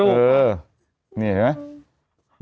เออนี่เห็นไหม